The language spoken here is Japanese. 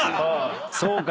そうか。